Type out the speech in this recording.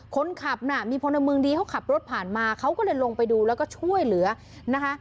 คนขับน่ะมีพลเมืองดีเขาขับรถผ่านมาเขาก็เลยลงไปดูแล้วก็ช่วยเหลือนะคะ